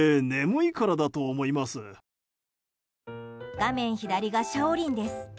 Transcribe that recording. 画面左が、シャオリンです。